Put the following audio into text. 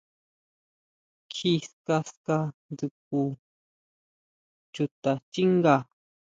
Kjí ska, ska dsjukʼu chita xchínga.